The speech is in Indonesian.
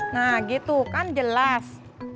nah gitu kan jelas